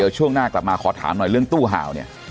ช่วงหน้ากลับมาขอถามหน่อยเรื่องตู้ห่าวเนี่ย